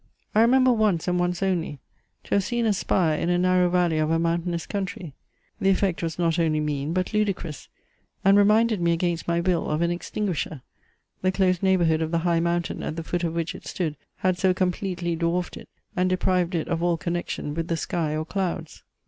I remember once, and once only, to have seen a spire in a narrow valley of a mountainous country. The effect was not only mean but ludicrous, and reminded me against my will of an extinguisher; the close neighbourhood of the high mountain, at the foot of which it stood, had so completely dwarfed it, and deprived it of all connection with the sky or clouds.